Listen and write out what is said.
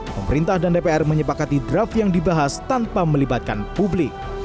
pemerintah dan dpr menyepakati draft yang dibahas tanpa melibatkan publik